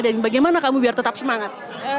dan bagaimana kamu biar tetap semangat